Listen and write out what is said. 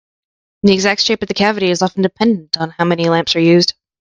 The exact shape of the cavity is often dependent on how many lamps are used.